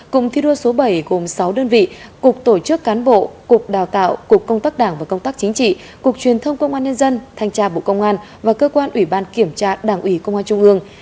cụm thi đua số bảy gồm sáu đơn vị cục tổ chức cán bộ cục đào tạo cục công tác đảng và công tác chính trị cục truyền thông công an nhân dân thanh tra bộ công an và cơ quan ủy ban kiểm tra đảng ủy công an trung ương